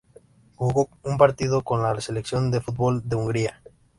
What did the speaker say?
Jugó un partido con la selección de fútbol de Hungría.